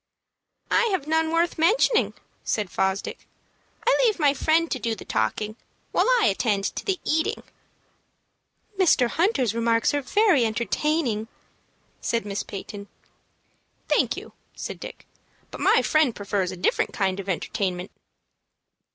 "I have none worth mentioning," said Fosdick. "I leave my friend to do the talking, while I attend to the eating." "Mr. Hunter's remarks are very entertaining," said Miss Peyton. "Thank you," said Dick; "but my friend prefers a different kind of entertainment."